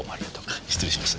あ失礼します。